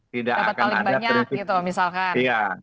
tidak akan ada prinsip